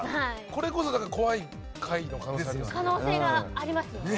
これこそ怖い回の可能性がありますね。